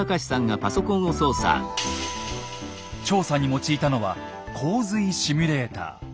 調査に用いたのは洪水シミュレーター。